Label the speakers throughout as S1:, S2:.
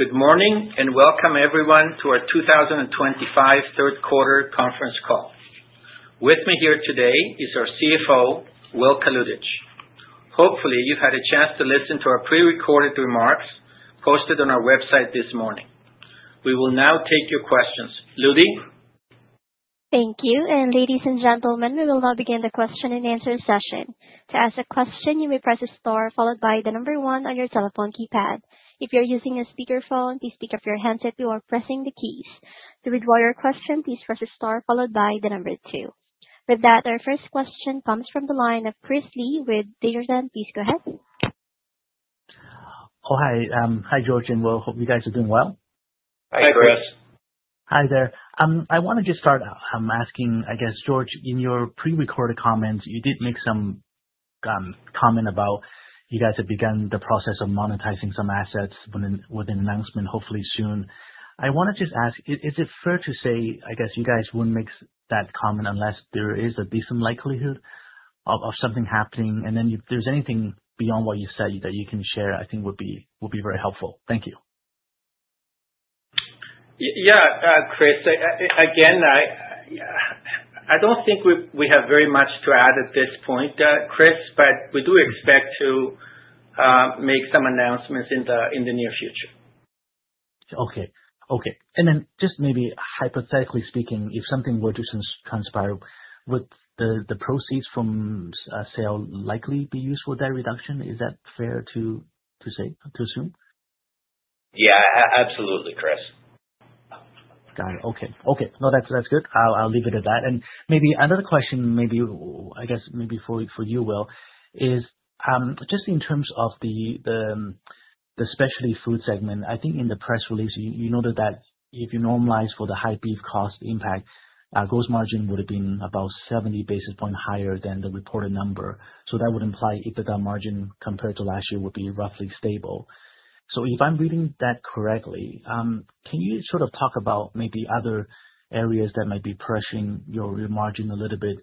S1: Good morning and welcome, everyone, to our 2025 third quarter conference call. With me here today is our CFO, Will Kalutycz. Hopefully, you've had a chance to listen to our pre-recorded remarks posted on our website this morning. We will now take your questions. Ludi.
S2: Thank you. And ladies and gentlemen, we will now begin the question and answer session. To ask a question, you may press the star followed by the number one on your telephone keypad. If you're using a speakerphone, please pick up your handset if you are pressing the keys. To read your question, please press the star followed by the number two. With that, our first question comes from the line of Chris Li. With Desjardins, please go ahead.
S3: Oh, hi. Hi, George. And Will, hope you guys are doing well.
S1: Hi, Chris.
S3: Hi there. I want to just start out asking, I guess, George, in your pre-recorded comments, you did make some comment about you guys have begun the process of monetizing some assets with an announcement, hopefully soon. I want to just ask, is it fair to say, I guess, you guys wouldn't make that comment unless there is a decent likelihood of something happening? And then if there's anything beyond what you said that you can share, I think would be very helpful. Thank you.
S1: Yeah, Chris. Again, I don't think we have very much to add at this point, Chris, but we do expect to make some announcements in the near future.
S3: Okay. And then just maybe hypothetically speaking, if something were to transpire, would the proceeds from sale likely be used for that reduction? Is that fair to say, to assume?
S4: Yeah, absolutely, Chris.
S3: Got it. Okay. Okay. No, that's good. I'll leave it at that. And maybe another question, maybe, I guess, maybe for you, Will, is just in terms of the specialty food segment. I think in the press release, you noted that if you normalize for the high beef cost impact, gross margin would have been about 70 basis points higher than the reported number. So that would imply EBITDA margin compared to last year would be roughly stable. So if I'm reading that correctly, can you sort of talk about maybe other areas that might be pressuring your margin a little bit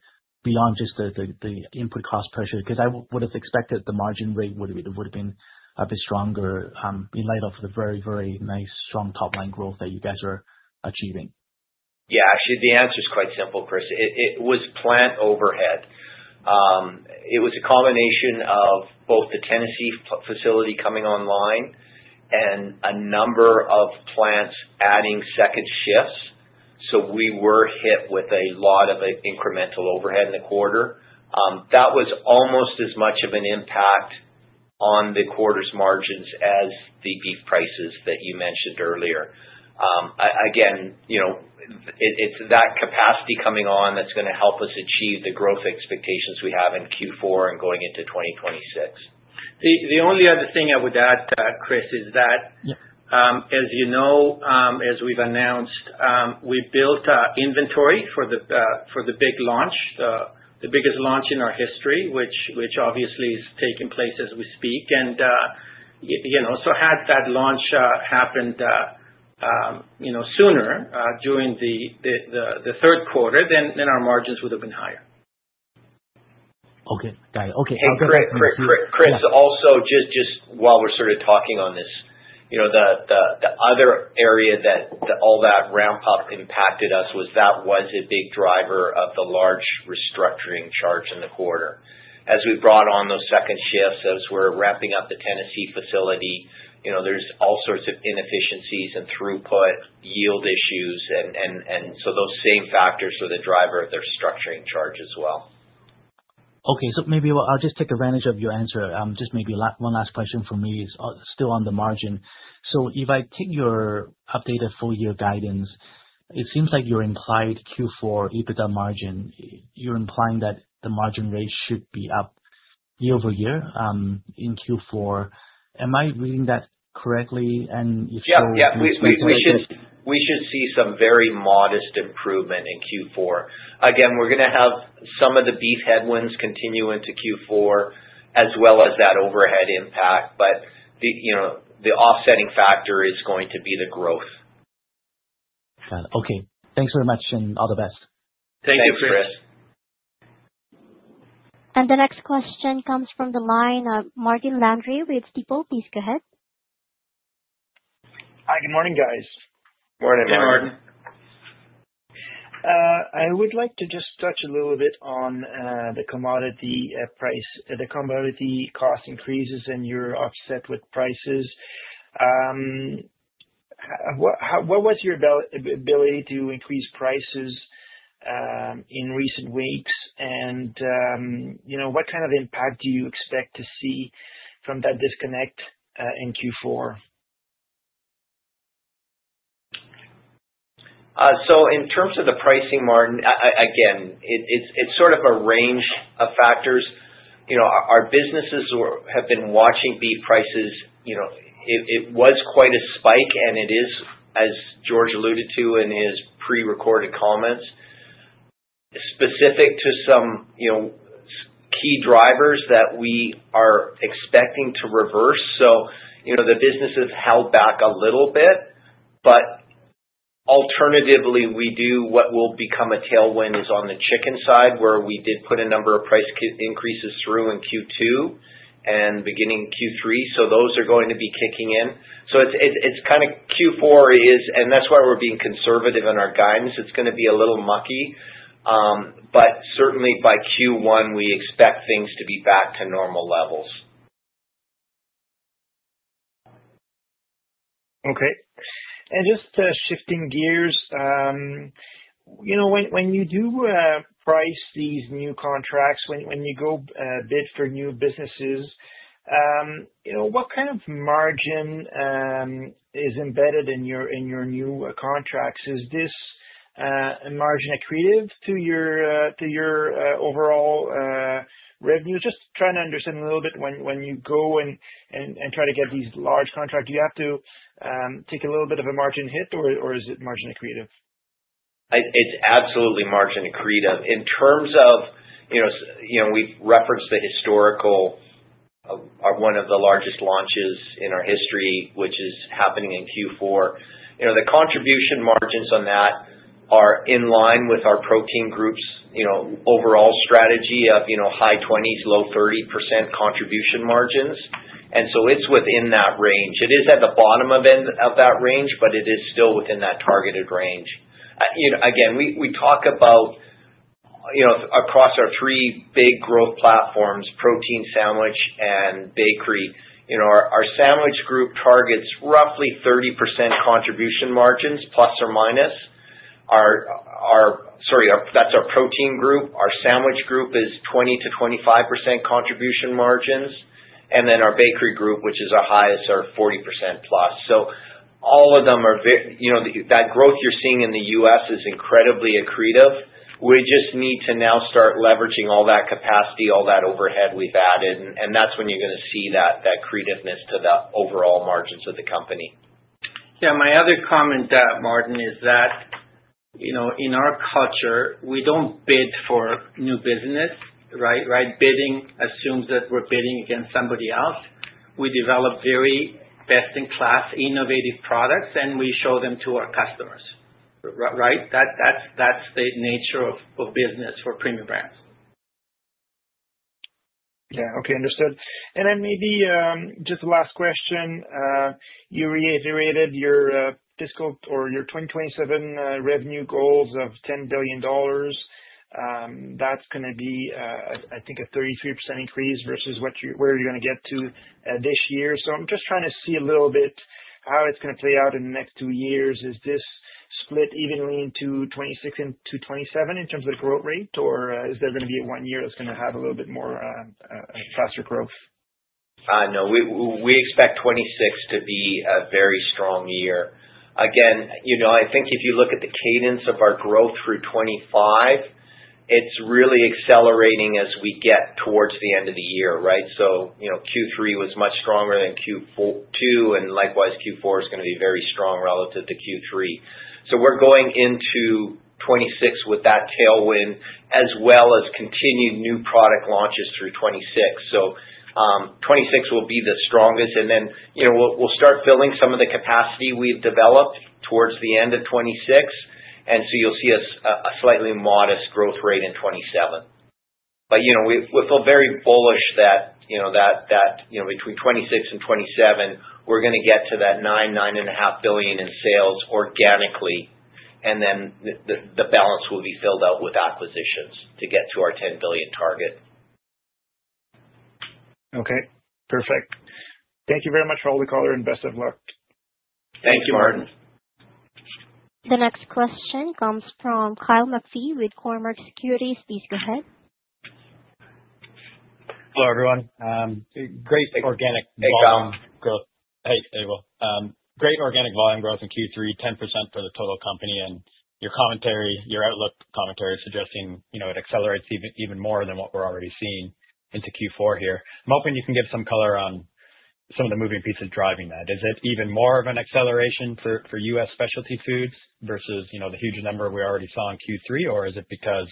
S3: beyond just the input cost pressure? Because I would have expected the margin rate would have been a bit stronger in light of the very, very nice, strong top-line growth that you guys are achieving?
S4: Yeah. Actually, the answer is quite simple, Chris. It was plant overhead. It was a combination of both the Tennessee facility coming online and a number of plants adding second shifts. So we were hit with a lot of incremental overhead in the quarter. That was almost as much of an impact on the quarter's margins as the beef prices that you mentioned earlier. Again, it's that capacity coming on that's going to help us achieve the growth expectations we have in Q4 and going into 2026.
S1: The only other thing I would add, Chris, is that, as you know, as we've announced, we built inventory for the big launch, the biggest launch in our history, which obviously is taking place as we speak, and so had that launch happened sooner during the third quarter, then our margins would have been higher.
S3: Okay. Got it. Okay.
S4: And Chris, also just while we're sort of talking on this, the other area that all that ramp-up impacted us was that was a big driver of the large restructuring charge in the quarter. As we brought on those second shifts, as we're wrapping up the Tennessee facility, there's all sorts of inefficiencies and throughput, yield issues. And so those same factors were the driver of their restructuring charge as well.
S3: Okay, so maybe I'll just take advantage of your answer. Just maybe one last question for me is still on the margin, so if I take your updated full-year guidance, it seems like your implied Q4 EBITDA margin, you're implying that the margin rate should be up year over year in Q4. Am I reading that correctly, and if so, what do you think?
S4: Yeah. Yeah. We should see some very modest improvement in Q4. Again, we're going to have some of the beef headwinds continue into Q4 as well as that overhead impact. But the offsetting factor is going to be the growth.
S3: Got it. Okay. Thanks very much and all the best.
S4: Thank you, Chris.
S1: Thanks, Chris.
S2: The next question comes from the line of Martin Landry with Stifel. Please go ahead.
S5: Hi. Good morning, guys.
S4: Morning, Martin.
S1: Morning, Martin.
S5: I would like to just touch a little bit on the commodity price, the commodity cost increases, and your offset with prices. What was your ability to increase prices in recent weeks? And what kind of impact do you expect to see from that disconnect in Q4?
S4: So in terms of the pricing, Martin, again, it's sort of a range of factors. Our businesses have been watching beef prices. It was quite a spike, and it is, as George alluded to in his pre-recorded comments, specific to some key drivers that we are expecting to reverse. So the businesses held back a little bit. But alternatively, we do what will become a tailwind is on the chicken side, where we did put a number of price increases through in Q2 and beginning Q3. So it's kind of Q4 is, and that's why we're being conservative in our guidance. It's going to be a little mucky. But certainly, by Q1, we expect things to be back to normal levels.
S5: Okay. And just shifting gears, when you do price these new contracts, when you go bid for new businesses, what kind of margin is embedded in your new contracts? Is this margin accretive to your overall revenue? Just trying to understand a little bit when you go and try to get these large contracts, do you have to take a little bit of a margin hit, or is it margin accretive?
S1: It's absolutely margin accretive. In terms of, we've referenced the historical one of the largest launches in our history, which is happening in Q4. The contribution margins on that are in line with our protein group's overall strategy of high 20s-low 30% contribution margins, and so it's within that range. It is at the bottom of that range, but it is still within that targeted range. Again, we talk about across our three big growth platforms, protein, sandwich, and bakery. Our sandwich group targets roughly 30% contribution margins, plus or minus. Sorry, that's our protein group. Our sandwich group is 20%-25% contribution margins, and then our bakery group, which is our highest, are 40% plus, so all of them are that growth you're seeing in the U.S. is incredibly accretive. We just need to now start leveraging all that capacity, all that overhead we've added.
S4: That's when you're going to see that accretiveness to the overall margins of the company.
S1: Yeah. My other comment, Martin, is that in our culture, we don't bid for new business, right? Bidding assumes that we're bidding against somebody else. We develop very best-in-class innovative products, and we show them to our customers, right? That's the nature of business for Premium Brands.
S5: Yeah. Okay. Understood. And then maybe just the last question. You reiterated your fiscal or your 2027 revenue goals of $10 billion. That's going to be, I think, a 33% increase versus where you're going to get to this year. So I'm just trying to see a little bit how it's going to play out in the next two years. Is this split evenly into 2026 and 2027 in terms of the growth rate, or is there going to be one year that's going to have a little bit more faster growth?
S4: No. We expect 2026 to be a very strong year. Again, I think if you look at the cadence of our growth through 2025, it's really accelerating as we get towards the end of the year, right? So Q3 was much stronger than Q2, and likewise, Q4 is going to be very strong relative to Q3. So we're going into 2026 with that tailwind as well as continued new product launches through 2026. So 2026 will be the strongest. And then we'll start filling some of the capacity we've developed towards the end of 2026. And so you'll see a slightly modest growth rate in 2027. But we feel very bullish that between 2026 and 2027, we're going to get to that 9 billion-9.5 billion in sales organically. And then the balance will be filled out with acquisitions to get to our 10 billion target.
S5: Okay. Perfect. Thank you very much, Will Kalutycz. And best of luck.
S4: Thank you, Martin.
S2: The next question comes from Kyle McPhee with Cormark Securities. Please go ahead.
S6: Hello, everyone. Great organic volume growth.
S4: Hey, Kyle.
S6: Hey, Will. Great organic volume growth in Q3, 10% for the total company. And your outlook commentary is suggesting it accelerates even more than what we're already seeing into Q4 here. I'm hoping you can give some color on some of the moving pieces driving that. Is it even more of an acceleration for U.S. specialty foods versus the huge number we already saw in Q3, or is it because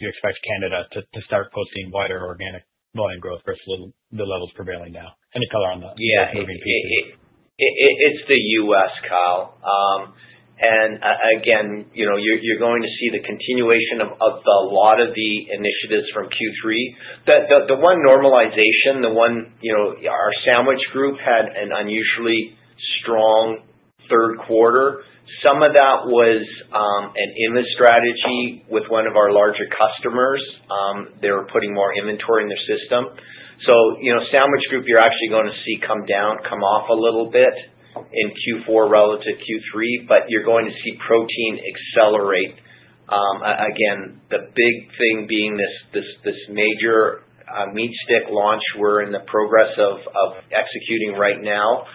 S6: you expect Canada to start posting wider organic volume growth versus the levels prevailing now? Any color on those moving pieces?
S4: Yeah. It's the U.S., Kyle. And again, you're going to see the continuation of a lot of the initiatives from Q3. The one normalization, the one our sandwich group had an unusually strong third quarter. Some of that was an inventory strategy with one of our larger customers. They were putting more inventory in their system. So sandwich group, you're actually going to see come down, come off a little bit in Q4 relative to Q3, but you're going to see protein accelerate. Again, the big thing being this major meat stick launch we're in the progress of executing right now.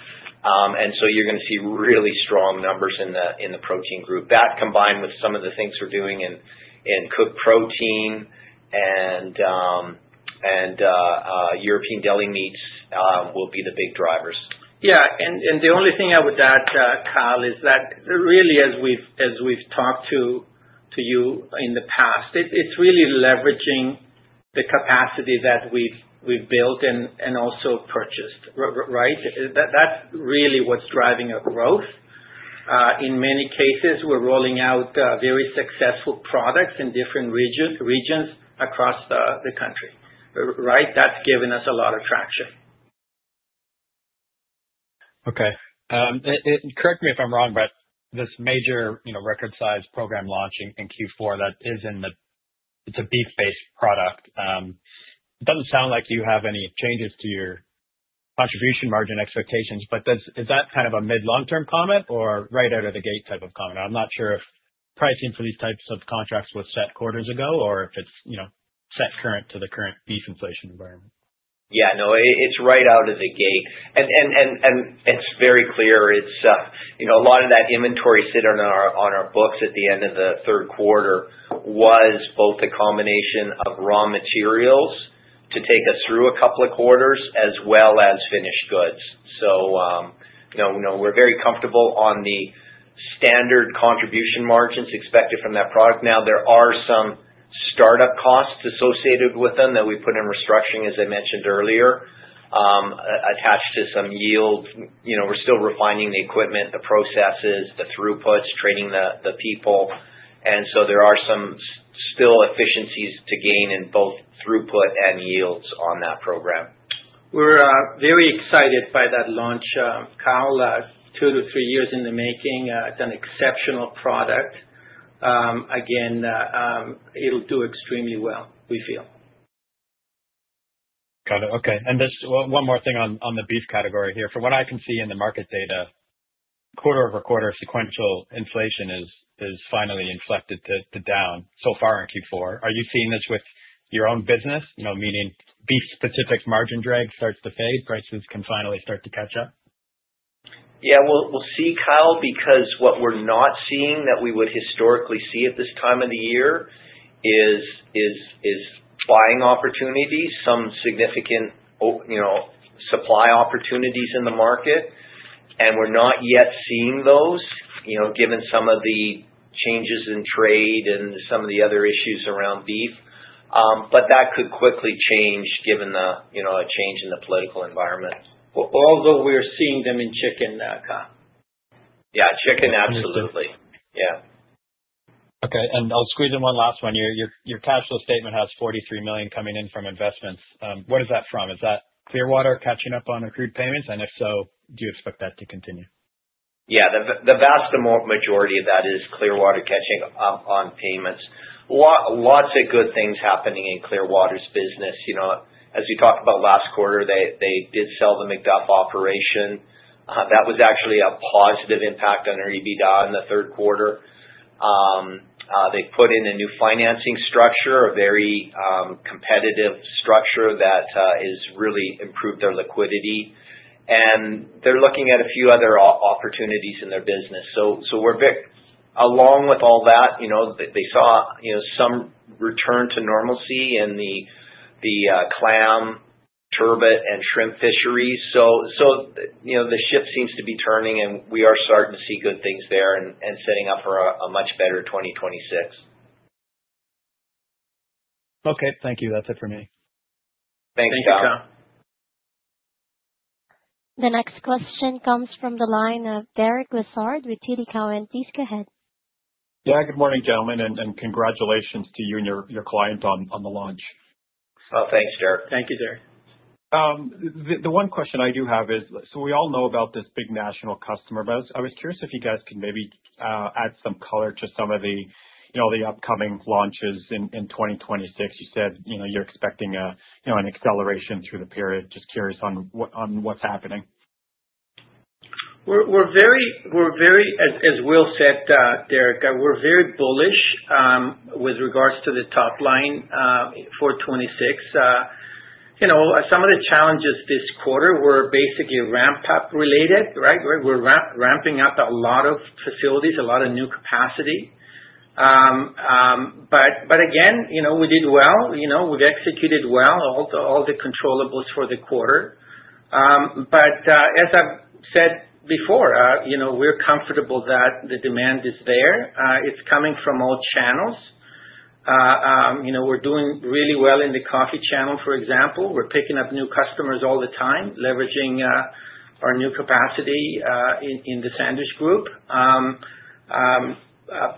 S4: And so you're going to see really strong numbers in the protein group. That combined with some of the things we're doing in cooked protein and European deli meats will be the big drivers.
S1: Yeah. And the only thing I would add, Kyle, is that really, as we've talked to you in the past, it's really leveraging the capacity that we've built and also purchased, right? That's really what's driving our growth. In many cases, we're rolling out very successful products in different regions across the country, right? That's given us a lot of traction.
S6: Okay. Correct me if I'm wrong, but this major record-sized program launching in Q4, that is, it's a beef-based product. It doesn't sound like you have any changes to your contribution margin expectations, but is that kind of a mid-long-term comment or right out of the gate type of comment? I'm not sure if pricing for these types of contracts was set quarters ago or if it's set current to the current beef inflation environment.
S4: Yeah. No, it's right out of the gate. And it's very clear. A lot of that inventory sitting on our books at the end of the third quarter was both a combination of raw materials to take us through a couple of quarters as well as finished goods. So we're very comfortable on the standard contribution margins expected from that product. Now, there are some startup costs associated with them that we put in restructuring, as I mentioned earlier, attached to some yield. We're still refining the equipment, the processes, the throughputs, training the people. And so there are some still efficiencies to gain in both throughput and yields on that program.
S1: We're very excited by that launch, Kyle. Two to three years in the making. It's an exceptional product. Again, it'll do extremely well, we feel.
S6: Got it. Okay. And just one more thing on the beef category here. From what I can see in the market data, quarter over quarter sequential inflation is finally inflected to down so far in Q4. Are you seeing this with your own business, meaning beef-specific margin drag starts to fade? Prices can finally start to catch up?
S4: Yeah. We'll see, Kyle, because what we're not seeing that we would historically see at this time of the year is buying opportunities, some significant supply opportunities in the market. And we're not yet seeing those given some of the changes in trade and some of the other issues around beef. But that could quickly change given a change in the political environment.
S1: Although we're seeing them in chicken, Kyle.
S4: Yeah. Chicken, absolutely. Yeah.
S6: Okay. And I'll squeeze in one last one. Your cash flow statement has 43 million coming in from investments. What is that from? Is that Clearwater catching up on accrued payments? And if so, do you expect that to continue?
S4: Yeah. The vast majority of that is Clearwater catching up on payments. Lots of good things happening in Clearwater's business. As we talked about last quarter, they did sell the Macduff operation. That was actually a positive impact on their EBITDA in the third quarter. They put in a new financing structure, a very competitive structure that has really improved their liquidity. And they're looking at a few other opportunities in their business. So along with all that, they saw some return to normalcy in the clam, turbot, and shrimp fisheries. So the ship seems to be turning, and we are starting to see good things there and setting up for a much better 2026.
S6: Okay. Thank you. That's it for me.
S4: Thanks.
S6: Thank you, Kyle.
S2: The next question comes from the line of Derek Lessard with TD Cowen.
S7: Yeah. Good morning, gentlemen, and congratulations to you and your client on the launch.
S4: Thanks, Derek.
S1: Thank you, Derek.
S7: The one question I do have is, so we all know about this big national customer, but I was curious if you guys could maybe add some color to some of the upcoming launches in 2026. You said you're expecting an acceleration through the period. Just curious on what's happening?
S1: We're very, as Will said, Derek, we're very bullish with regards to the top line for 2026. Some of the challenges this quarter were basically ramp-up related, right? We're ramping up a lot of facilities, a lot of new capacity. But again, we did well. We've executed well all the controllables for the quarter. But as I've said before, we're comfortable that the demand is there. It's coming from all channels. We're doing really well in the coffee channel, for example. We're picking up new customers all the time, leveraging our new capacity in the sandwich group.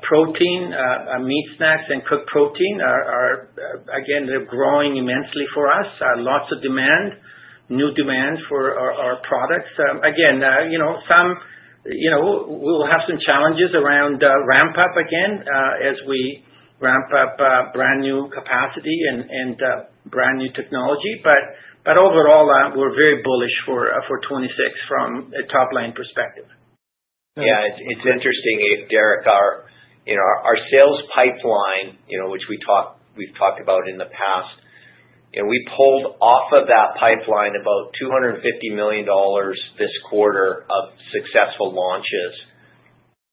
S1: Protein, meat snacks, and cooked protein, again, they're growing immensely for us. Lots of demand, new demand for our products. Again, we'll have some challenges around ramp-up again as we ramp up brand new capacity and brand new technology. But overall, we're very bullish for 2026 from a top-line perspective.
S4: Yeah. It's interesting, Derek. Our sales pipeline, which we've talked about in the past, we pulled off of that pipeline about $250 million this quarter of successful launches.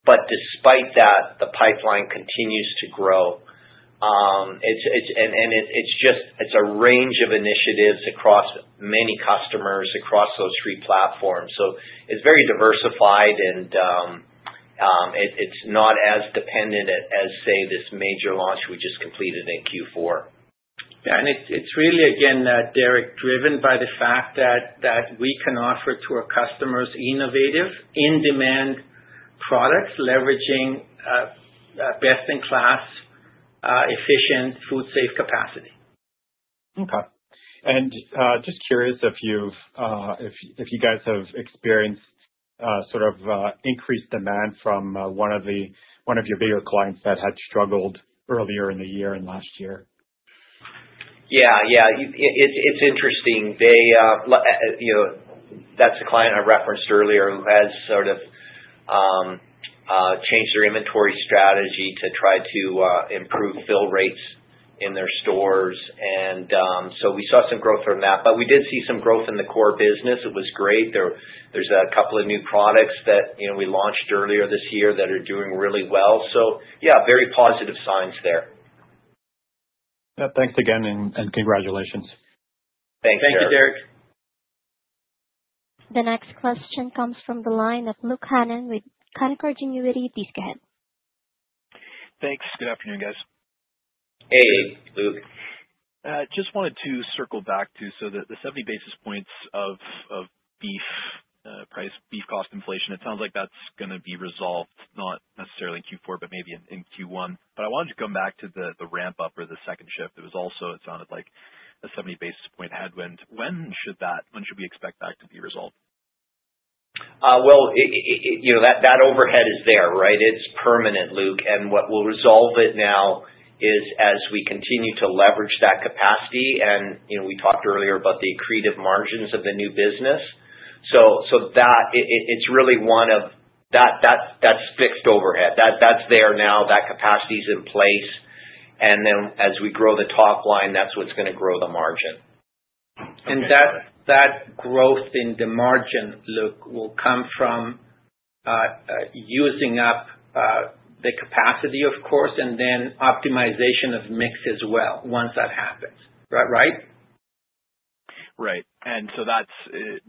S4: But despite that, the pipeline continues to grow. And it's a range of initiatives across many customers across those three platforms. So it's very diversified, and it's not as dependent as, say, this major launch we just completed in Q4.
S1: Yeah. And it's really, again, Derek, driven by the fact that we can offer to our customers innovative, in-demand products leveraging best-in-class, efficient, food-safe capacity.
S7: Okay. And just curious if you guys have experienced sort of increased demand from one of your bigger clients that had struggled earlier in the year and last year?
S4: Yeah. Yeah. It's interesting. That's a client I referenced earlier who has sort of changed their inventory strategy to try to improve fill rates in their stores, and so we saw some growth from that, but we did see some growth in the core business. It was great. There's a couple of new products that we launched earlier this year that are doing really well, so yeah, very positive signs there.
S8: Yeah. Thanks again, and congratulations.
S4: Thank you.
S1: Thank you, Derek.
S2: The next question comes from the line of Luke Hannan with Canaccord Genuity. Please go ahead.
S9: Thanks. Good afternoon, guys.
S4: Hey, Luke.
S9: Just wanted to circle back to the 70 basis points of beef price, beef cost inflation. It sounds like that's going to be resolved, not necessarily in Q4, but maybe in Q1. But I wanted to come back to the ramp-up or the second shift. It was also, it sounded like, a 70 basis point headwind. When should we expect that to be resolved?
S4: That overhead is there, right? It's permanent, Luke. What will resolve it now is, as we continue to leverage that capacity. We talked earlier about the accretive margins of the new business. It's really one of those that's fixed overhead. That's there now. That capacity is in place. Then as we grow the top line, that's what's going to grow the margin.
S1: That growth in the margin, Luke, will come from using up the capacity, of course, and then optimization of mix as well once that happens, right?
S9: Right, and so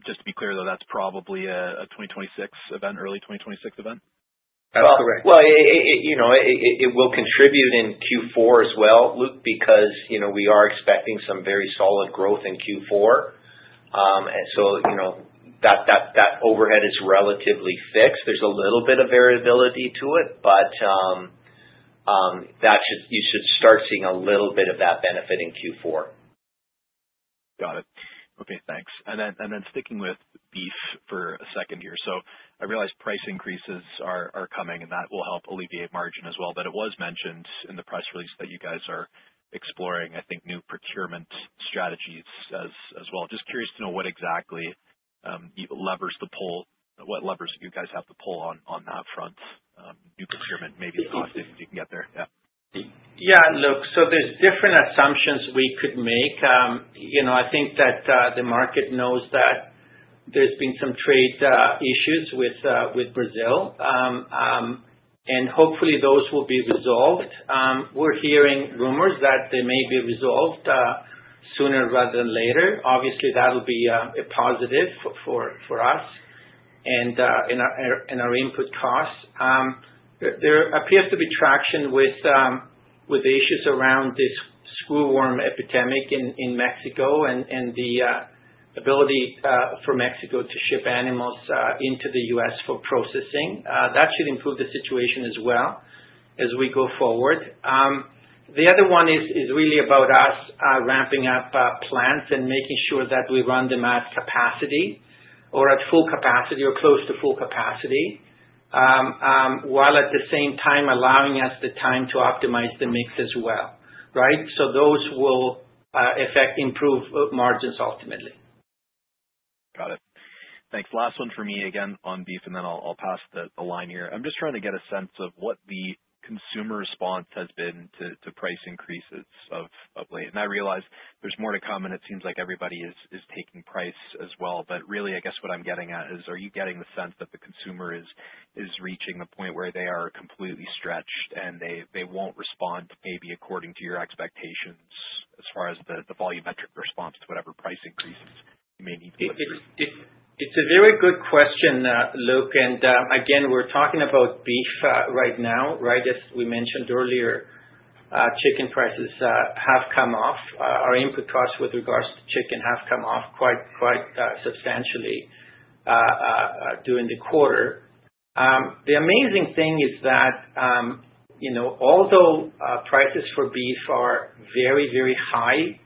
S9: just to be clear, though, that's probably a 2026 event, early 2026 event?
S4: That's correct. Well, it will contribute in Q4 as well, Luke, because we are expecting some very solid growth in Q4. So that overhead is relatively fixed. There's a little bit of variability to it, but you should start seeing a little bit of that benefit in Q4.
S10: Got it. Okay. Thanks. And then sticking with beef for a second here. So I realize price increases are coming, and that will help alleviate margin as well. But it was mentioned in the press release that you guys are exploring, I think, new procurement strategies as well. Just curious to know what exactly levers to pull, what levers you guys have to pull on that front, new procurement, maybe the cost if you can get there. Yeah.
S1: Yeah, Luke. So there's different assumptions we could make. I think that the market knows that there's been some trade issues with Brazil. And hopefully, those will be resolved. We're hearing rumors that they may be resolved sooner rather than later. Obviously, that'll be a positive for us and our input costs. There appears to be traction with the issues around this screwworm epidemic in Mexico and the ability for Mexico to ship animals into the U.S. for processing. That should improve the situation as well as we go forward. The other one is really about us ramping up plants and making sure that we run them at capacity or at full capacity or close to full capacity while at the same time allowing us the time to optimize the mix as well, right? So those will improve margins ultimately.
S9: Got it. Thanks. Last one for me again on beef, and then I'll pass the line here. I'm just trying to get a sense of what the consumer response has been to price increases of late, and I realize there's more to come, and it seems like everybody is taking price as well, but really, I guess what I'm getting at is, are you getting the sense that the consumer is reaching a point where they are completely stretched and they won't respond maybe according to your expectations as far as the volumetric response to whatever price increases you may need to?
S1: It's a very good question, Luke. Again, we're talking about beef right now, right? As we mentioned earlier, chicken prices have come off. Our input costs with regards to chicken have come off quite substantially during the quarter. The amazing thing is that although prices for beef are very, very high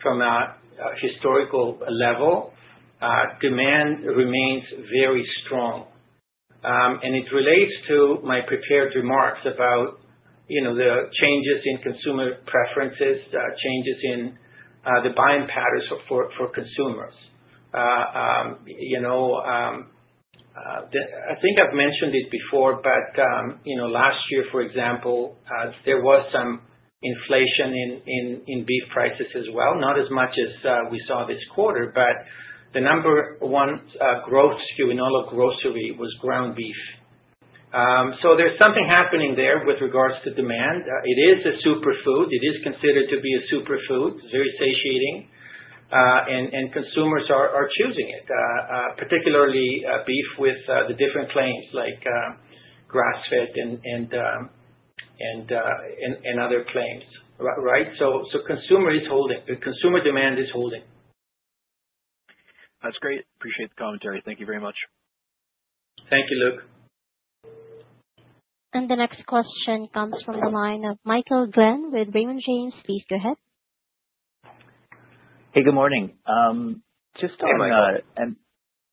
S1: from a historical level, demand remains very strong. It relates to my prepared remarks about the changes in consumer preferences, changes in the buying patterns for consumers. I think I've mentioned it before, but last year, for example, there was some inflation in beef prices as well, not as much as we saw this quarter. The number one growth SKU in all of grocery was ground beef. There's something happening there with regards to demand. It is a superfood. It is considered to be a superfood, very satiating, and consumers are choosing it, particularly beef with the different claims like grass-fed and other claims, right? So consumer is holding. Consumer demand is holding.
S9: That's great. Appreciate the commentary. Thank you very much.
S1: Thank you, Luke.
S2: And the next question comes from the line of Michael Glenn with Raymond James. Please go ahead.
S11: Hey, good morning.
S4: Hey, Michael.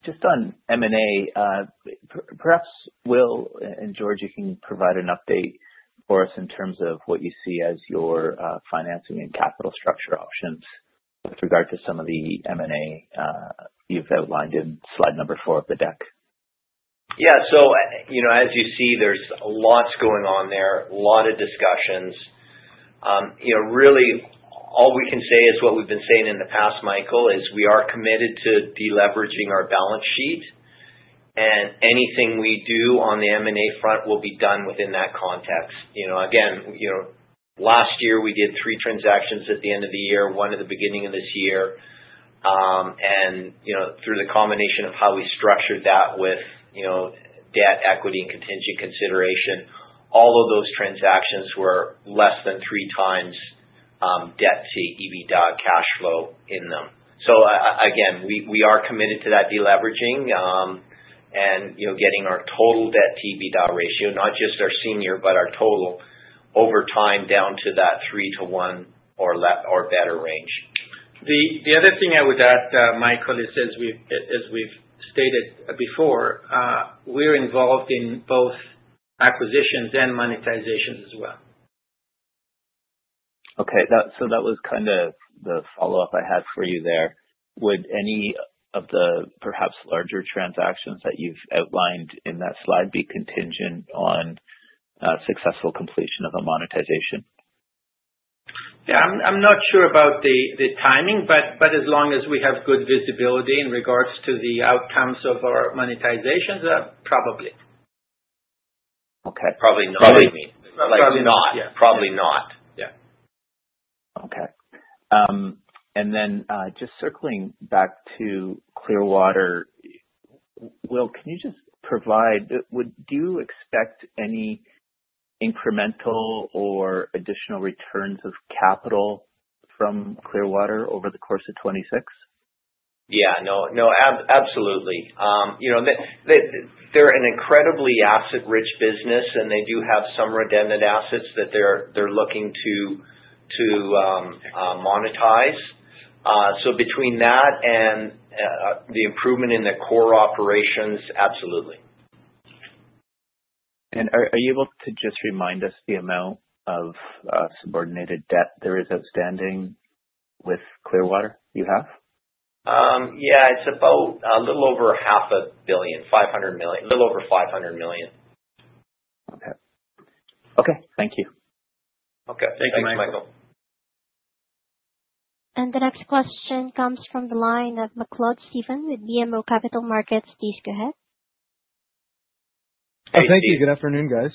S11: Just on M&A, perhaps Will and George, you can provide an update for us in terms of what you see as your financing and capital structure options with regard to some of the M&A you've outlined in slide number four of the deck.
S4: Yeah, so as you see, there's lots going on there, a lot of discussions. Really, all we can say is what we've been saying in the past, Michael, is we are committed to deleveraging our balance sheet, and anything we do on the M&A front will be done within that context. Again, last year, we did three transactions at the end of the year, one at the beginning of this year, and through the combination of how we structured that with debt, equity, and contingent consideration, all of those transactions were less than three times debt to EBITDA cash flow in them, so again, we are committed to that deleveraging and getting our total debt to EBITDA ratio, not just our senior, but our total over time down to that three to one or better range.
S1: The other thing I would add, Michael, is as we've stated before, we're involved in both acquisitions and monetizations as well.
S11: Okay. So that was kind of the follow-up I had for you there. Would any of the perhaps larger transactions that you've outlined in that slide be contingent on successful completion of a monetization?
S1: Yeah. I'm not sure about the timing, but as long as we have good visibility in regards to the outcomes of our monetizations, probably.
S11: Okay.
S4: Probably not.
S1: Probably not.
S4: Probably not.
S1: Yeah.
S11: Okay. And then just circling back to Clearwater, Will, can you just provide, do you expect any incremental or additional returns of capital from Clearwater over the course of 2026?
S4: Yeah. No, absolutely. They're an incredibly asset-rich business, and they do have some redundant assets that they're looking to monetize. So between that and the improvement in their core operations, absolutely.
S11: Are you able to just remind us the amount of subordinated debt there is outstanding with Clearwater you have?
S4: Yeah. It's about a little over 500 million, a little over 500 million.
S11: Okay. Okay. Thank you.
S4: Okay. Thank you, Michael.
S2: The next question comes from the line of Stephen MacLeod with BMO Capital Markets. Please go ahead.
S4: Hey.
S12: Thank you. Good afternoon, guys.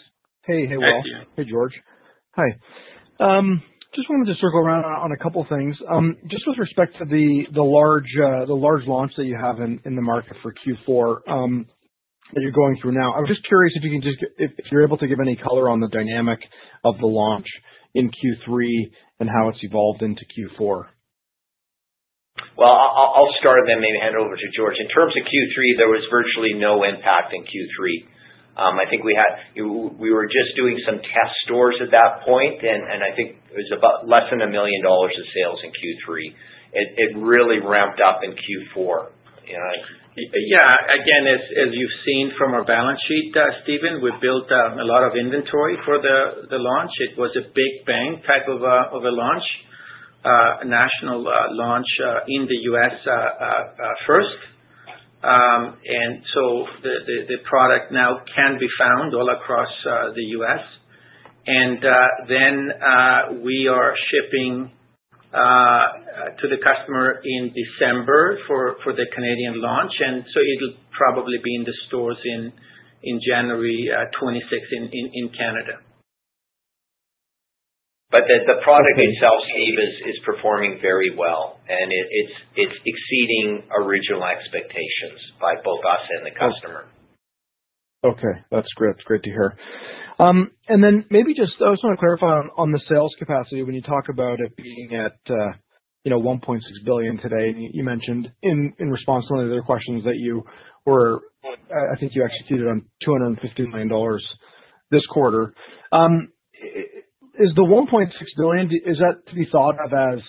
S12: Hey, hey, Will.
S1: Thank you.
S12: Hey, George. Hi. Just wanted to circle around on a couple of things. Just with respect to the large launch that you have in the market for Q4 that you're going through now, I'm just curious if you can just, if you're able to give any color on the dynamic of the launch in Q3 and how it's evolved into Q4?
S4: I'll start and then maybe hand it over to George. In terms of Q3, there was virtually no impact in Q3. I think we were just doing some test stores at that point, and I think it was about less than 1 million dollars of sales in Q3. It really ramped up in Q4.
S1: Yeah. Again, as you've seen from our balance sheet, Stephen, we built a lot of inventory for the launch. It was a big bang type of a launch, a national launch in the U.S. first. And so the product now can be found all across the U.S. And then we are shipping to the customer in December for the Canadian launch. And so it'll probably be in the stores in January 2026 in Canada.
S4: But the product itself, Stephen, is performing very well. And it's exceeding original expectations by both us and the customer.
S12: Okay. That's great. It's great to hear. And then maybe just I just want to clarify on the sales capacity when you talk about it being at $1.6 billion today. And you mentioned in response to one of the other questions that you were, I think you executed on $250 million this quarter. Is the $1.6 billion, is that to be thought of as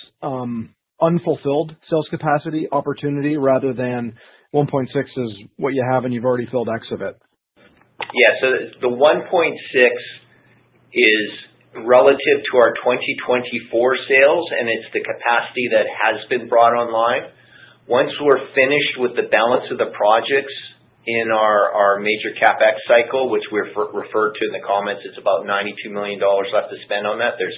S12: unfulfilled sales capacity opportunity rather than $1.6 billion is what you have and you've already filled X of it?
S4: Yeah. So the 1.6 is relative to our 2024 sales, and it's the capacity that has been brought online. Once we're finished with the balance of the projects in our major CapEx cycle, which we're referred to in the comments, it's about 92 million dollars left to spend on that. There's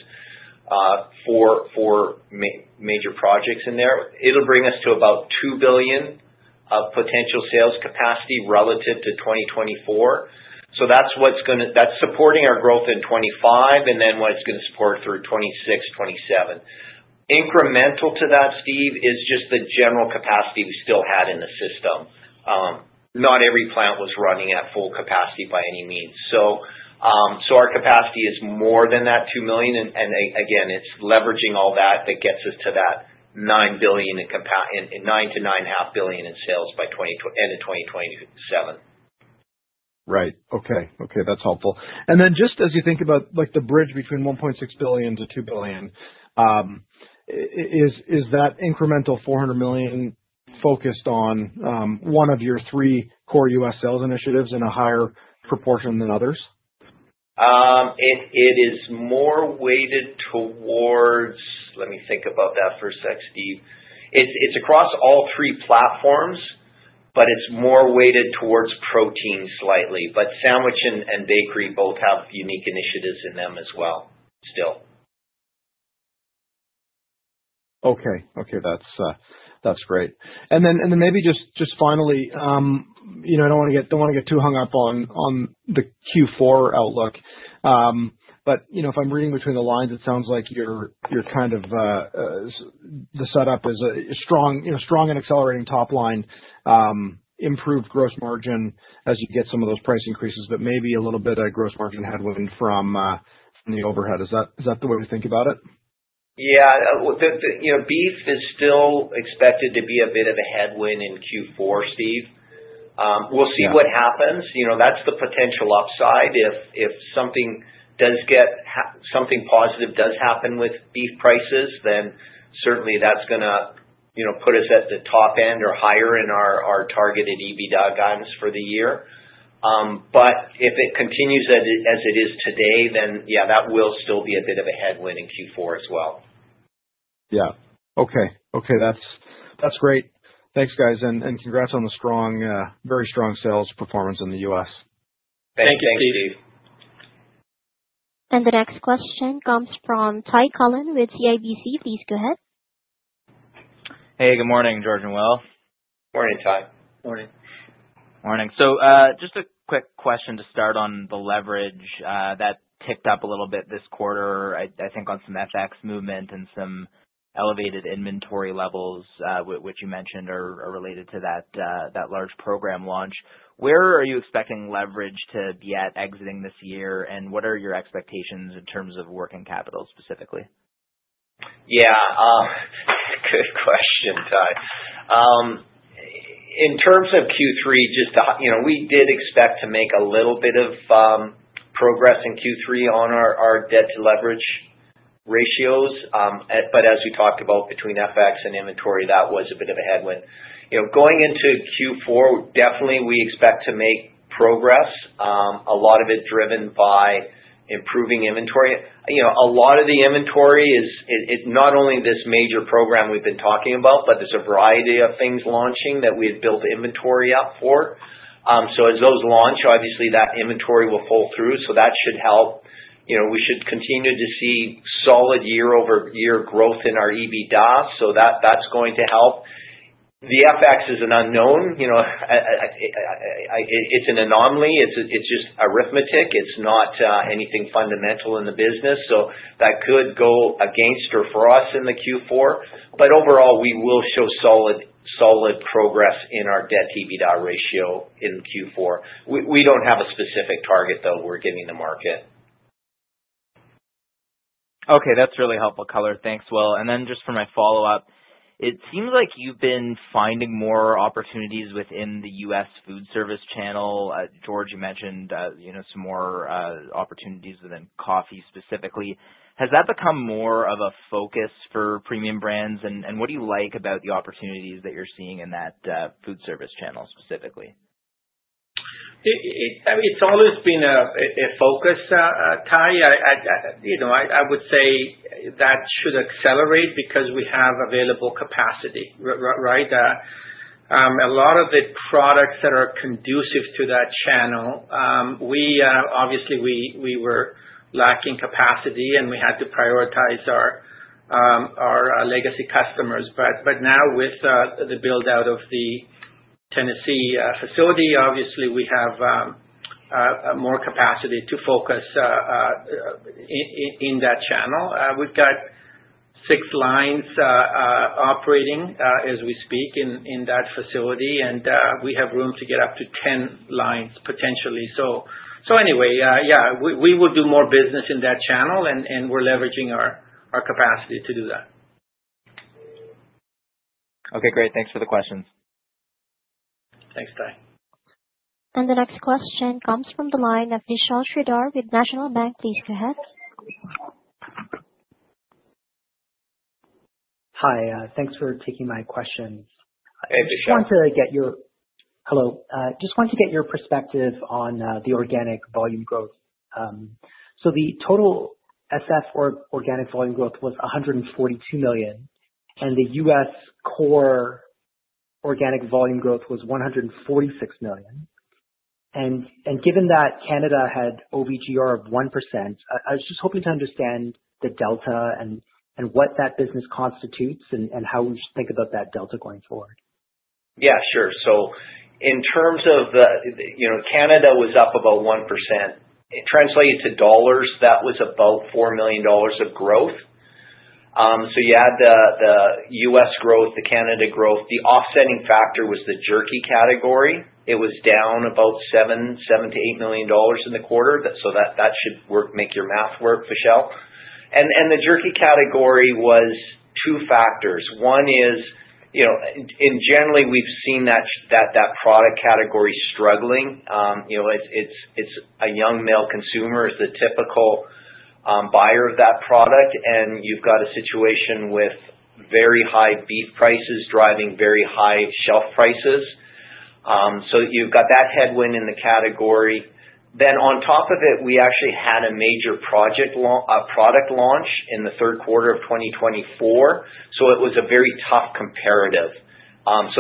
S4: four major projects in there. It'll bring us to about 2 billion of potential sales capacity relative to 2024. So that's what's going to support our growth in 2025, and then what it's going to support through 2026, 2027. Incremental to that, Steve, is just the general capacity we still had in the system. Not every plant was running at full capacity by any means. So our capacity is more than that 2 million. And again, it's leveraging all that gets us to that 9 billion and 9-9.5 billion in sales by end of 2027.
S12: Right. Okay. That's helpful. And then just as you think about the bridge between 1.6 billion to 2 billion, is that incremental 400 million focused on one of your three core U.S. sales initiatives in a higher proportion than others?
S4: It is more weighted towards let me think about that for a sec, Steve. It's across all three platforms, but it's more weighted towards protein slightly. But sandwich and bakery both have unique initiatives in them as well still.
S12: Okay. Okay. That's great. And then maybe just finally, I don't want to get too hung up on the Q4 outlook. But if I'm reading between the lines, it sounds like you're kind of the setup is a strong and accelerating top line, improved gross margin as you get some of those price increases, but maybe a little bit of gross margin headwind from the overhead. Is that the way to think about it?
S4: Yeah. Beef is still expected to be a bit of a headwind in Q4, Steve. We'll see what happens. That's the potential upside. If something positive does happen with beef prices, then certainly that's going to put us at the top end or higher in our targeted EBITDA guidance for the year. But if it continues as it is today, then yeah, that will still be a bit of a headwind in Q4 as well.
S12: That's great. Thanks, guys. And congrats on the very strong sales performance in the U.S.
S4: Thank you, Steve.
S1: Thank you, Steve.
S2: The next question comes from Ty Collin with CIBC. Please go ahead.
S13: Hey, good morning, George and Will.
S4: Morning, Ty.
S1: Morning.
S13: Morning. So just a quick question to start on the leverage that ticked up a little bit this quarter, I think on some FX movement and some elevated inventory levels, which you mentioned are related to that large program launch. Where are you expecting leverage to be at exiting this year, and what are your expectations in terms of working capital specifically?
S4: Yeah. Good question, Ty. In terms of Q3, just we did expect to make a little bit of progress in Q3 on our debt to leverage ratios. But as we talked about between FX and inventory, that was a bit of a headwind. Going into Q4, definitely we expect to make progress, a lot of it driven by improving inventory. A lot of the inventory is not only this major program we've been talking about, but there's a variety of things launching that we have built inventory up for. So as those launch, obviously that inventory will fall through. So that should help. We should continue to see solid year-over-year growth in our EBITDA. So that's going to help. The FX is an unknown. It's an anomaly. It's just arithmetic. It's not anything fundamental in the business. So that could go against or for us in the Q4. But overall, we will show solid progress in our Debt to EBITDA ratio in Q4. We don't have a specific target that we're giving the market.
S13: Okay. That's really helpful, Cole. Thanks, Will. And then just for my follow-up, it seems like you've been finding more opportunities within the U.S. food service channel. George, you mentioned some more opportunities within coffee specifically. Has that become more of a focus for Premium Brands? And what do you like about the opportunities that you're seeing in that food service channel specifically?
S1: It's always been a focus, Ty. I would say that should accelerate because we have available capacity, right? A lot of the products that are conducive to that channel, obviously we were lacking capacity, and we had to prioritize our legacy customers. But now with the build-out of the Tennessee facility, obviously we have more capacity to focus in that channel. We've got six lines operating as we speak in that facility, and we have room to get up to 10 lines potentially. So anyway, yeah, we will do more business in that channel, and we're leveraging our capacity to do that.
S13: Okay. Great. Thanks for the questions.
S1: Thanks, Ty.
S2: The next question comes from the line of Vishal Shridhar with National Bank. Please go ahead.
S14: Hi. Thanks for taking my questions.
S4: Hey, Vishal.
S14: Just want to get your perspective on the organic volume growth. The total SF or organic volume growth was 142 million, and the U.S. core organic volume growth was 146 million. Given that Canada had OVGR of 1%, I was just hoping to understand the delta and what that business constitutes and how we should think about that delta going forward.
S4: Yeah. Sure. So in terms of the Canada was up about 1%. It translated to dollars, that was about 4 million dollars of growth. So you had the U.S. growth, the Canada growth. The offsetting factor was the jerky category. It was down about 7-8 million dollars in the quarter. So that should make your math work, Vishal. And the jerky category was two factors. One is, and generally we've seen that product category struggling. It's a young male consumer is the typical buyer of that product, and you've got a situation with very high beef prices driving very high shelf prices. So you've got that headwind in the category. Then on top of it, we actually had a major product launch in the third quarter of 2024. So it was a very tough comparative.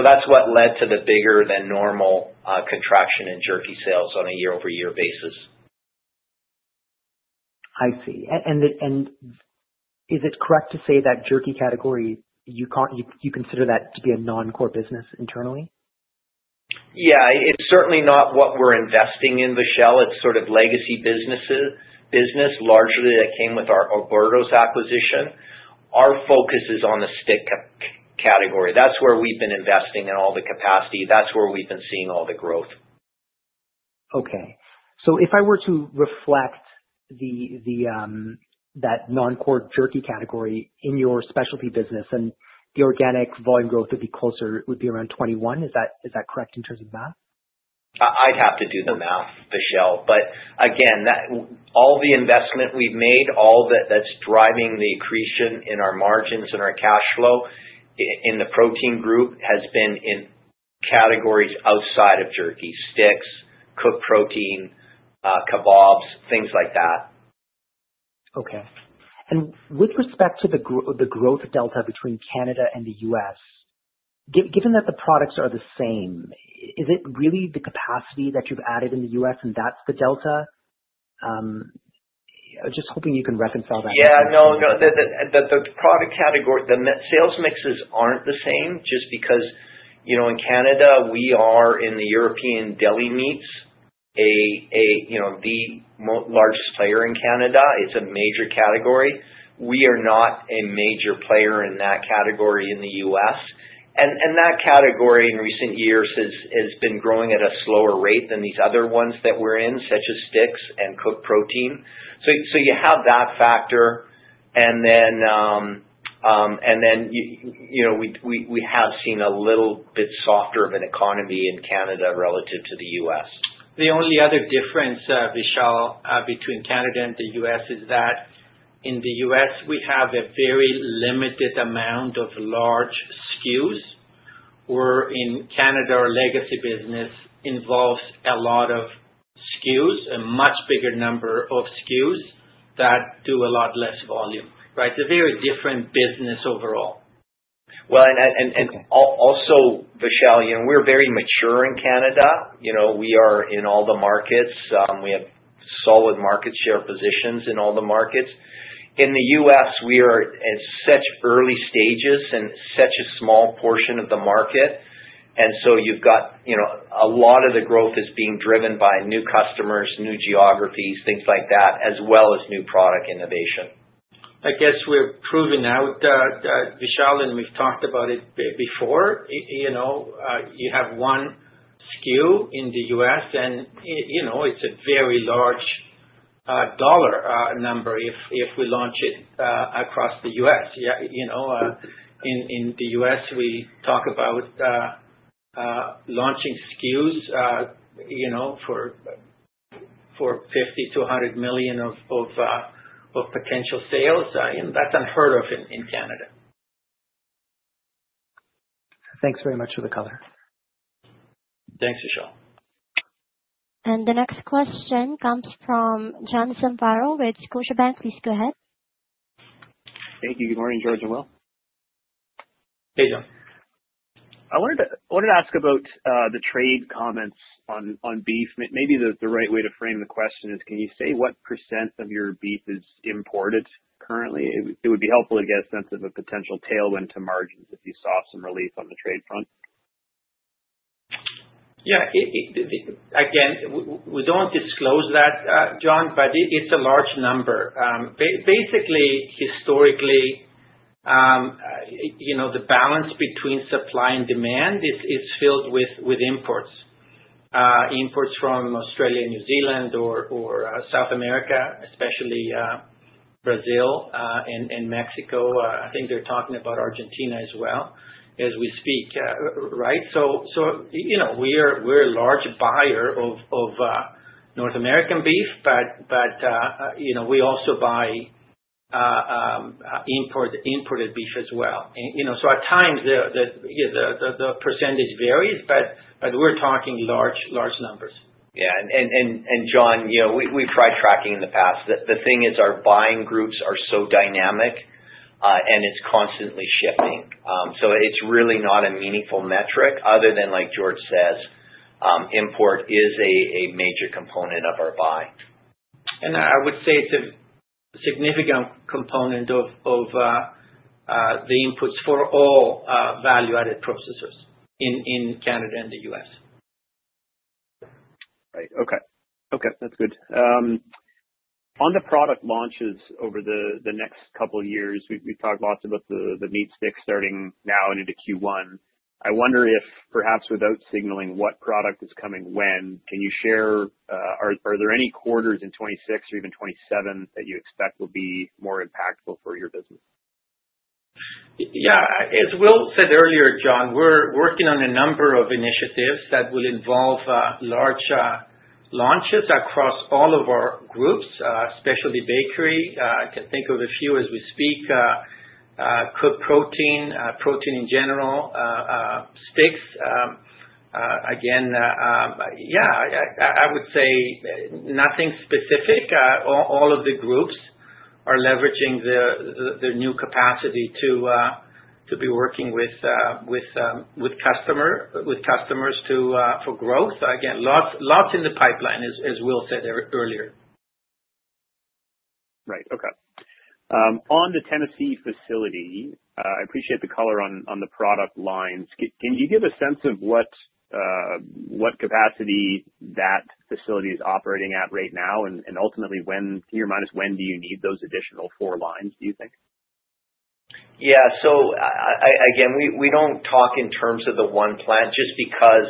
S4: That's what led to the bigger than normal contraction in jerky sales on a year-over-year basis.
S14: I see. And is it correct to say that jerky category, you consider that to be a non-core business internally?
S4: Yeah. It's certainly not what we're investing in, Vishal. It's sort of legacy business, largely that came with our Oberto's acquisition. Our focus is on the stick category. That's where we've been investing in all the capacity. That's where we've been seeing all the growth.
S14: Okay. So if I were to reflect that non-core jerky category in your specialty business, then the organic volume growth would be closer, would be around 21. Is that correct in terms of math?
S4: I'd have to do the math, Vishal. But again, all the investment we've made, all that's driving the accretion in our margins and our cash flow in the protein group has been in categories outside of jerky: sticks, cooked protein, kabobs, things like that.
S14: Okay. And with respect to the growth delta between Canada and the US, given that the products are the same, is it really the capacity that you've added in the US and that's the delta? Just hoping you can reconcile that.
S4: Yeah. No, no. The product category, the sales mixes aren't the same just because in Canada, we are in the European deli meats, the largest player in Canada. It's a major category. We are not a major player in that category in the U.S. And that category in recent years has been growing at a slower rate than these other ones that we're in, such as sticks and cooked protein. So you have that factor. And then we have seen a little bit softer of an economy in Canada relative to the U.S.
S1: The only other difference, Vishal, between Canada and the U.S. is that in the U.S., we have a very limited amount of large SKUs, where in Canada, our legacy business involves a lot of SKUs, a much bigger number of SKUs that do a lot less volume, right? It's a very different business overall.
S4: Well, and also, Vishal, we're very mature in Canada. We are in all the markets. We have solid market share positions in all the markets. In the U.S., we are at such early stages and such a small portion of the market. And so you've got a lot of the growth is being driven by new customers, new geographies, things like that, as well as new product innovation.
S1: I guess we've proven out that, Vishal, and we've talked about it before. You have one SKU in the U.S., and it's a very large dollar number if we launch it across the U.S. In the U.S., we talk about launching SKUs for $50-$100 million of potential sales. That's unheard of in Canada.
S14: Thanks very much for the color.
S4: Thanks, Vishal.
S2: The next question comes from John Zamparo. Please go ahead.
S15: Hey, good morning, George and Will.
S1: Hey, John.
S15: I wanted to ask about the trade comments on beef. Maybe the right way to frame the question is, can you say what % of your beef is imported currently? It would be helpful to get a sense of a potential tailwind to margins if you saw some relief on the trade front.
S1: Yeah. Again, we don't disclose that, John, but it's a large number. Basically, historically, the balance between supply and demand is filled with imports, imports from Australia, New Zealand, or South America, especially Brazil and Mexico. I think they're talking about Argentina as well as we speak, right? So we're a large buyer of North American beef, but we also buy imported beef as well. So at times, the percentage varies, but we're talking large numbers.
S4: Yeah, and John, we've tried tracking in the past. The thing is our buying groups are so dynamic, and it's constantly shifting. So it's really not a meaningful metric other than, like George says, import is a major component of our buy.
S1: And I would say it's a significant component of the inputs for all value-added processors in Canada and the U.S.
S15: Right. Okay. That's good. On the product launches over the next couple of years, we've talked lots about the meat sticks starting now and into Q1. I wonder if perhaps without signaling what product is coming when, can you share are there any quarters in 2026 or even 2027 that you expect will be more impactful for your business?
S1: Yeah. As Will said earlier, John, we're working on a number of initiatives that will involve large launches across all of our groups, especially bakery. I can think of a few as we speak: cooked protein, protein in general, sticks. Again, yeah, I would say nothing specific. All of the groups are leveraging their new capacity to be working with customers for growth. Again, lots in the pipeline, as Will said earlier.
S15: Right. Okay. On the Tennessee facility, I appreciate the color on the product lines. Can you give a sense of what capacity that facility is operating at right now? And ultimately, in your mind, when do you need those additional four lines, do you think?
S4: Yeah. So again, we don't talk in terms of the one plant just because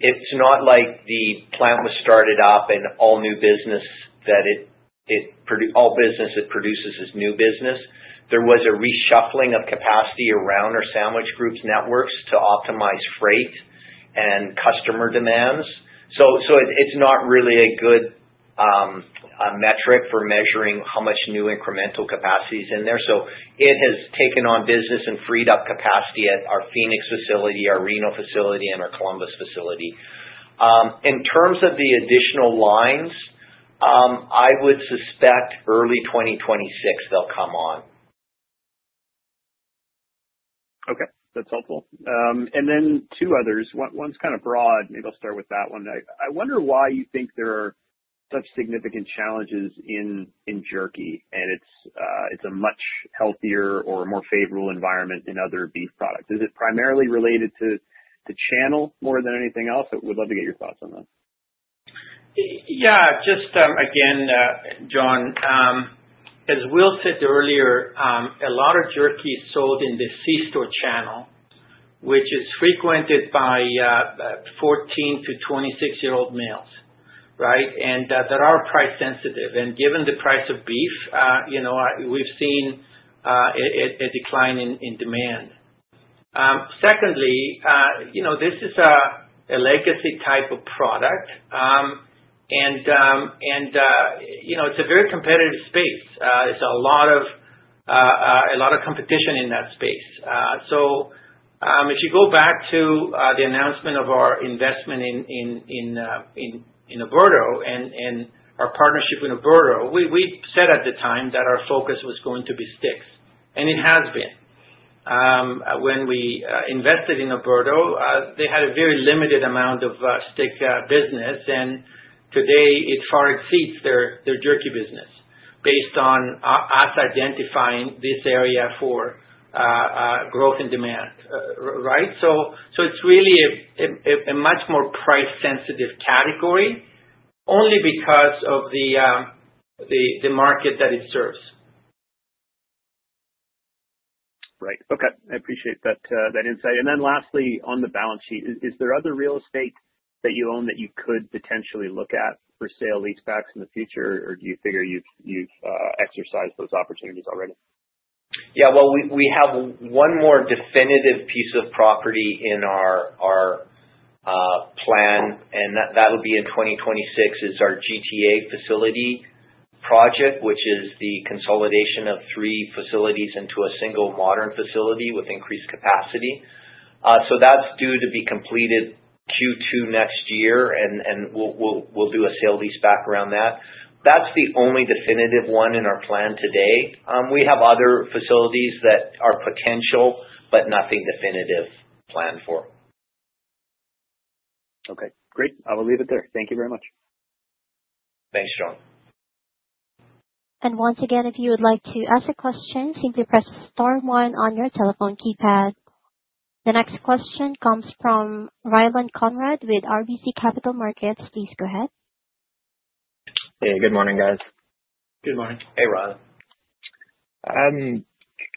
S4: it's not like the plant was started up and all new business that it produces is new business. There was a reshuffling of capacity around our sandwich groups networks to optimize freight and customer demands. So it's not really a good metric for measuring how much new incremental capacity is in there. So it has taken on business and freed up capacity at our Phoenix facility, our Reno facility, and our Columbus facility. In terms of the additional lines, I would suspect early 2026 they'll come on.
S15: Okay. That's helpful, and then two others. One's kind of broad. Maybe I'll start with that one. I wonder why you think there are such significant challenges in jerky and it's a much healthier or more favorable environment in other beef products. Is it primarily related to channel more than anything else? I would love to get your thoughts on that.
S1: Yeah. Just again, John, as Will said earlier, a lot of jerky is sold in the C store channel, which is frequented by 14- to 26-year-old males, right? And that are price-sensitive. And given the price of beef, we've seen a decline in demand. Secondly, this is a legacy type of product, and it's a very competitive space. There's a lot of competition in that space. So if you go back to the announcement of our investment in Oberto and our partnership with Oberto, we said at the time that our focus was going to be sticks, and it has been. When we invested in Oberto, they had a very limited amount of stick business, and today it far exceeds their jerky business based on us identifying this area for growth and demand, right? So it's really a much more price-sensitive category only because of the market that it serves.
S15: Right. Okay. I appreciate that insight. And then lastly, on the balance sheet, is there other real estate that you own that you could potentially look at for sale-leasebacks in the future, or do you figure you've exercised those opportunities already?
S4: Yeah. Well, we have one more definitive piece of property in our plan, and that will be in 2026, is our GTA facility project, which is the consolidation of three facilities into a single modern facility with increased capacity. So that's due to be completed Q2 next year, and we'll do a sale-leaseback around that. That's the only definitive one in our plan today. We have other facilities that are potential, but nothing definitive planned for.
S15: Okay. Great. I will leave it there. Thank you very much.
S4: Thanks, John.
S2: Once again, if you would like to ask a question, simply press star one on your telephone keypad. The next question comes from Ryland Conrad with RBC Capital Markets. Please go ahead.
S16: Hey, good morning, guys.
S1: Good morning.
S4: Hey, Ryland.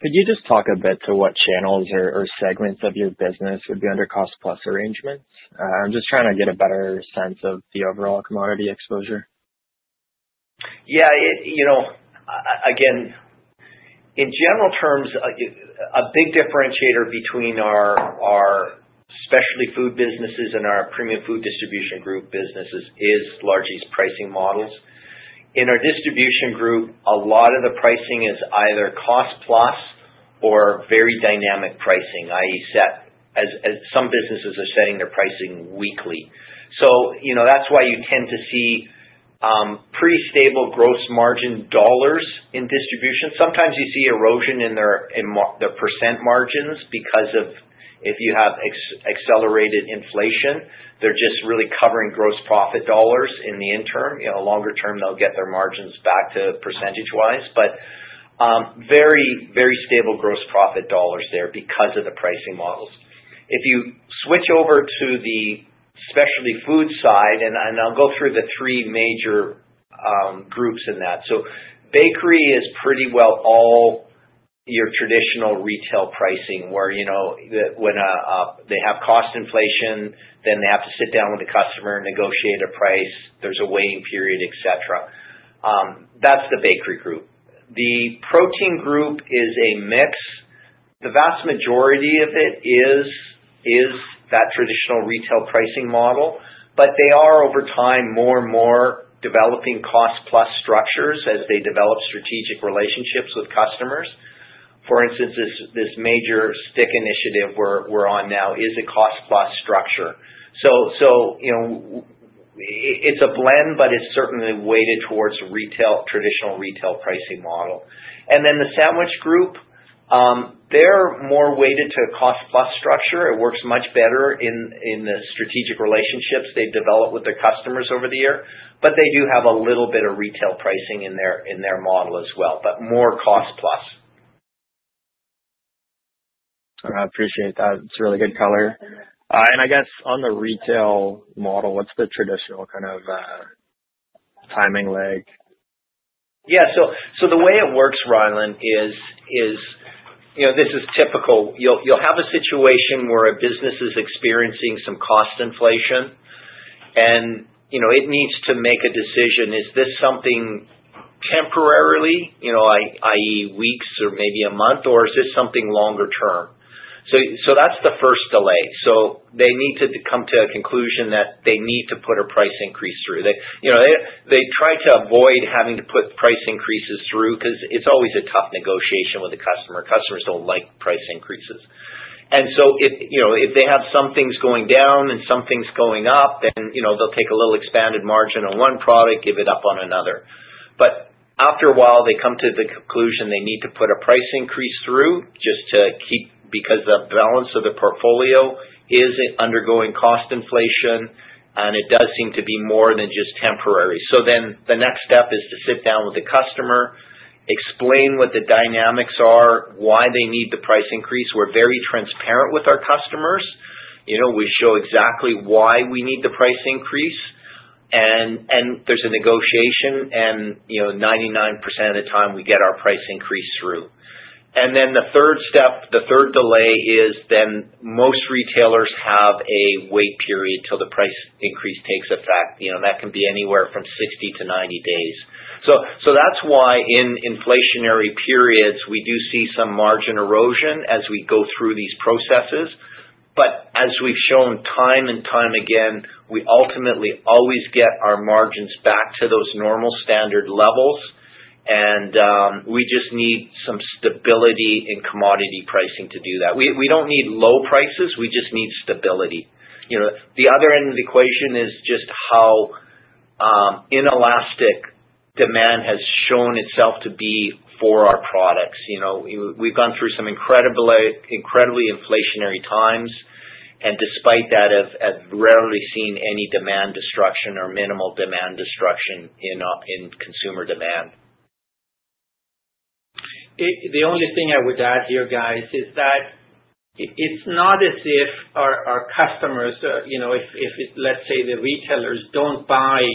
S16: Could you just talk a bit to what channels or segments of your business would be under cost-plus arrangements? I'm just trying to get a better sense of the overall commodity exposure.
S4: Yeah. Again, in general terms, a big differentiator between our specialty food businesses and our premium food distribution group businesses is largely pricing models. In our distribution group, a lot of the pricing is either cost-plus or very dynamic pricing, i.e., some businesses are setting their pricing weekly. So that's why you tend to see pretty stable gross margin dollars in distribution. Sometimes you see erosion in their percent margins because if you have accelerated inflation, they're just really covering gross profit dollars in the interim. Longer term, they'll get their margins back to percentage-wise, but very stable gross profit dollars there because of the pricing models. If you switch over to the specialty food side, and I'll go through the three major groups in that. So bakery is pretty well all your traditional retail pricing where when they have cost inflation, then they have to sit down with the customer, negotiate a price, there's a waiting period, etc. That's the bakery group. The protein group is a mix. The vast majority of it is that traditional retail pricing model, but they are over time more and more developing cost-plus structures as they develop strategic relationships with customers. For instance, this major stick initiative we're on now is a cost-plus structure. So it's a blend, but it's certainly weighted towards traditional retail pricing model. And then the sandwich group, they're more weighted to a cost-plus structure. It works much better in the strategic relationships they develop with their customers over the year, but they do have a little bit of retail pricing in their model as well, but more cost-plus.
S16: I appreciate that. It's a really good color. And I guess on the retail model, what's the traditional kind of timing leg?
S4: Yeah. So the way it works, Ryland, is this is typical. You'll have a situation where a business is experiencing some cost inflation, and it needs to make a decision, is this something temporarily, i.e., weeks or maybe a month, or is this something longer term? So that's the first delay. So they need to come to a conclusion that they need to put a price increase through. They try to avoid having to put price increases through because it's always a tough negotiation with the customer. Customers don't like price increases. And so if they have some things going down and some things going up, then they'll take a little expanded margin on one product, give it up on another. But after a while, they come to the conclusion they need to put a price increase through just to keep because the balance of the portfolio is undergoing cost inflation, and it does seem to be more than just temporary. So then the next step is to sit down with the customer, explain what the dynamics are, why they need the price increase. We're very transparent with our customers. We show exactly why we need the price increase, and there's a negotiation, and 99% of the time we get our price increase through. And then the third step, the third delay is then most retailers have a wait period until the price increase takes effect. That can be anywhere from 60-90 days. So that's why in inflationary periods, we do see some margin erosion as we go through these processes. But as we've shown time and time again, we ultimately always get our margins back to those normal standard levels, and we just need some stability in commodity pricing to do that. We don't need low prices. We just need stability. The other end of the equation is just how inelastic demand has shown itself to be for our products. We've gone through some incredibly inflationary times, and despite that, I've rarely seen any demand destruction or minimal demand destruction in consumer demand.
S1: The only thing I would add here, guys, is that it's not as if our customers, if let's say the retailers don't buy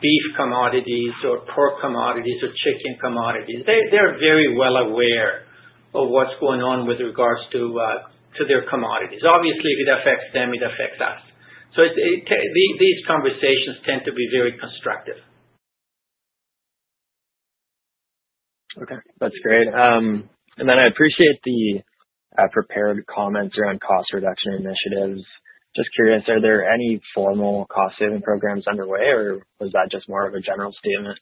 S1: beef commodities or pork commodities or chicken commodities, they're very well aware of what's going on with regards to their commodities. Obviously, if it affects them, it affects us. So these conversations tend to be very constructive.
S16: Okay. That's great. And then I appreciate the prepared comments around cost reduction initiatives. Just curious, are there any formal cost-saving programs underway, or was that just more of a general statement?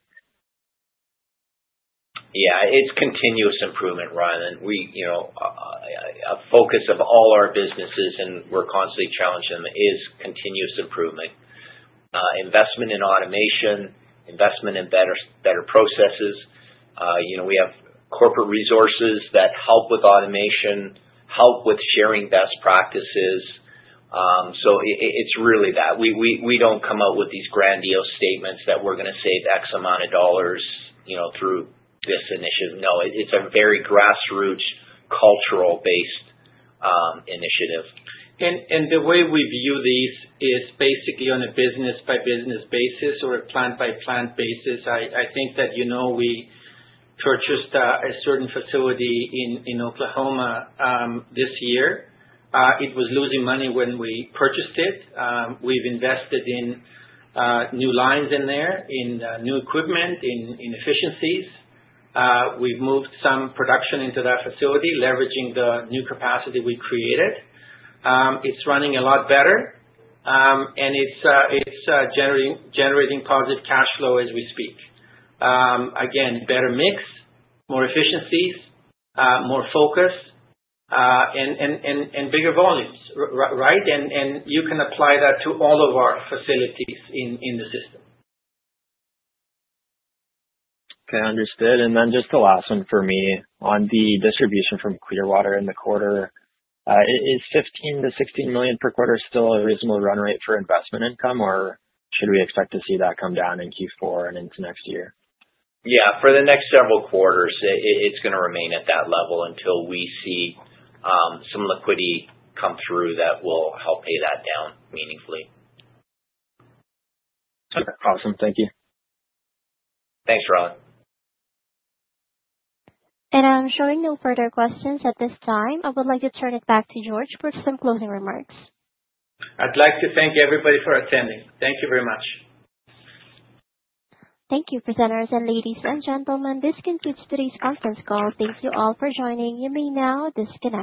S4: Yeah. It's continuous improvement, Ryland. A focus of all our businesses, and we're constantly challenging them, is continuous improvement. Investment in automation, investment in better processes. We have corporate resources that help with automation, help with sharing best practices. So it's really that. We don't come up with these grandiose statements that we're going to save X amount of dollars through this initiative. No. It's a very grassroots, cultural-based initiative.
S1: The way we view these is basically on a business-by-business basis or a plant-by-plant basis. I think that we purchased a certain facility in Oklahoma this year. It was losing money when we purchased it. We've invested in new lines in there, in new equipment, in efficiencies. We've moved some production into that facility, leveraging the new capacity we created. It's running a lot better, and it's generating positive cash flow as we speak. Again, better mix, more efficiencies, more focus, and bigger volumes, right? You can apply that to all of our facilities in the system.
S16: Okay. Understood. And then just to last one for me on the distribution from Clearwater in the quarter, is 15-16 million per quarter still a reasonable run rate for investment income, or should we expect to see that come down in Q4 and into next year?
S4: Yeah. For the next several quarters, it's going to remain at that level until we see some liquidity come through that will help pay that down meaningfully.
S16: Okay. Awesome. Thank you.
S4: Thanks, Ryland.
S2: And I'm showing no further questions at this time. I would like to turn it back to George for some closing remarks.
S1: I'd like to thank everybody for attending. Thank you very much.
S2: Thank you, presenters and ladies and gentlemen. This concludes today's conference call. Thank you all for joining. You may now disconnect.